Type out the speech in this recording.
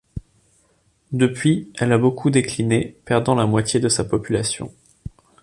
Depuis, elle a beaucoup décliné, perdant la moitié de sa population.